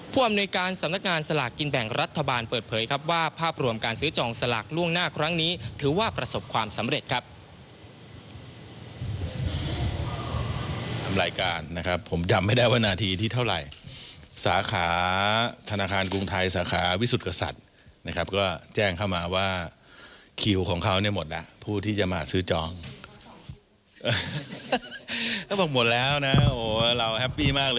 อำนวยการสำนักงานสลากกินแบ่งรัฐบาลเปิดเผยครับว่าภาพรวมการซื้อจองสลากล่วงหน้าครั้งนี้ถือว่าประสบความสำเร็จครับ